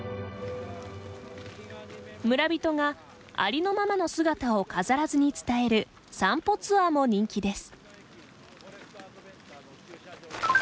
村人がありのままの姿を飾らずに伝える散歩ツアーも人気です。